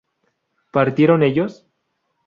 ¿partieron ellos?